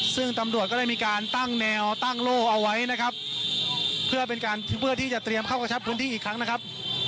ซึ่งตำรวจก็ได้มีการตั้งแนวตั้งโล่เอาไว้นะครับเพื่อเป็นการเพื่อที่จะเตรียมเข้ากระชับพื้นที่อีกครั้งนะครับ